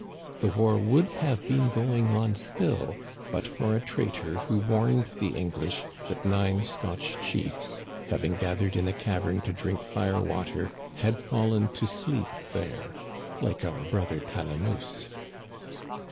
The war would have been going on still but for a traitor who warned the English that nine Scotch chiefs, having gathered in a cavern to drink fire water, had fallen to sleep there like our brother Talamousse."